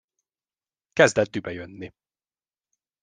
Kezdett dühbe jönni.